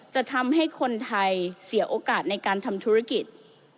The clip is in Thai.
จะทำให้คนไทยเสียโอกาสในการทำธุรกิจ